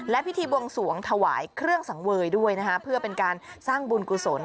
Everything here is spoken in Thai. และพิธีบวงสวงถวายเครื่องสังเวยด้วยนะคะเพื่อเป็นการสร้างบุญกุศล